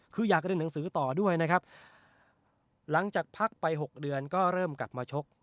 คืออยากเรียนหนังสือต่อด้วยนะครับหลังจากพักไปหกเดือนก็เริ่มกลับมาชก